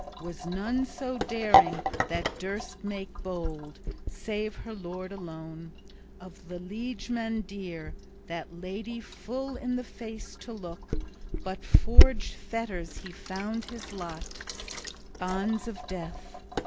Was none so daring that durst make bold (save her lord alone) of the liegemen dear that lady full in the face to look, but forged fetters he found his lot, bonds of death!